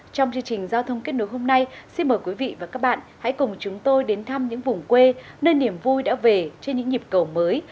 trong chương trình giao thông kết nối hôm nay xin mời quý vị và các bạn hãy cùng chúng tôi đến thăm những vùng quê nơi niềm vui đã về trên những nhịp cầu mới